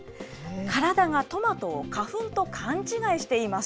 体がトマトを花粉と勘違いしています。